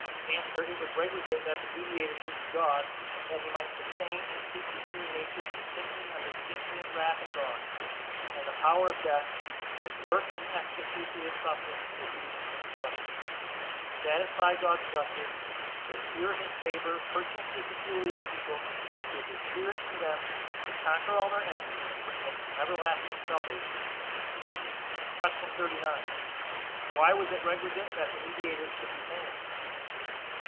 A. It was requisite that the mediator should be God, that he might sustain and keep the human nature from sinking under the infinite wrath of God, and the power of death; give worth and efficacy to his sufferings, obedience, and intercession; and to satisfy God's justice, procure his favor, purchase a peculiar people, give his Spirit to them, conquer all their enemies, and bring them to everlasting salvation. Q. 39. Why was it requisite that the mediator should be man?